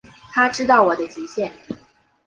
他知道我的极限